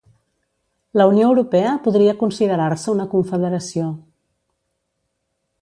La Unió Europea podria considerar-se una confederació.